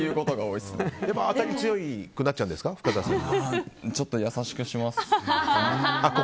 いやちょっと優しくします。